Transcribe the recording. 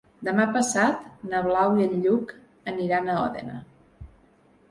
Demà passat na Blau i en Lluc aniran a Òdena.